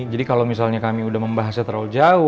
jadi kalau misalnya kami udah membahasnya terlalu jauh